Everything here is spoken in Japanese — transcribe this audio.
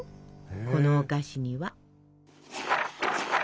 このお菓子には。